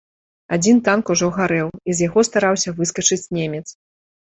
Адзін танк ужо гарэў, і з яго стараўся выскачыць немец.